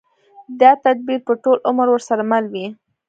دا تدبير به ټول عمر ورسره مل وي.